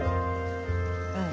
うん。